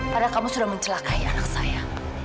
padahal kamu sudah mencelakai anak saya